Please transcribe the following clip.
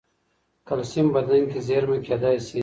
کلسیم بدن کې زېرمه کېدای شي.